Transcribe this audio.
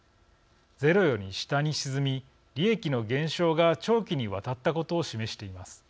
０より下に沈み、利益の減少が長期にわたったことを示しています。